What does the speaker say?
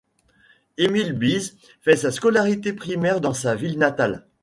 Émile Bise fait sa scolarité primaire dans sa ville natale.